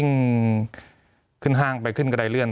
มีความรู้สึกว่ามีความรู้สึกว่า